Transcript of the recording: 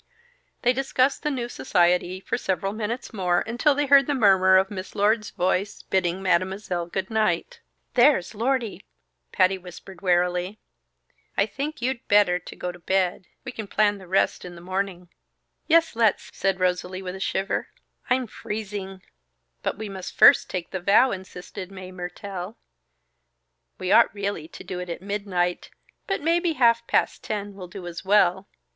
They discussed the new society for several minutes more, until they heard the murmur of Miss Lord's voice, bidding Mademoiselle goodnight. "There's Lordy!" Patty whispered warily. "I think you'd better to go to bed. We can plan the rest in the morning." "Yes, let's," said Rosalie, with a shiver. "I'm freezing!" "But we must first take the vow," insisted Mae Mertelle. "We ought really to do it at midnight but maybe half past ten will do as well.